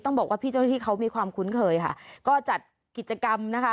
บอกว่าพี่เจ้าหน้าที่เขามีความคุ้นเคยค่ะก็จัดกิจกรรมนะคะ